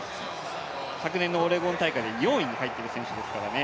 昨年のオレゴン大会で４位に入っている選手ですからね。